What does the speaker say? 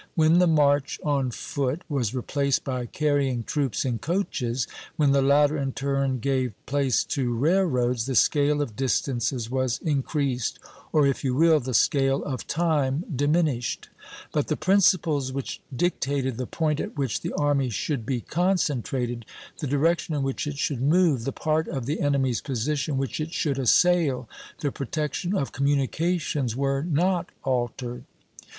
When the march on foot was replaced by carrying troops in coaches, when the latter in turn gave place to railroads, the scale of distances was increased, or, if you will, the scale of time diminished; but the principles which dictated the point at which the army should be concentrated, the direction in which it should move, the part of the enemy's position which it should assail, the protection of communications, were not altered.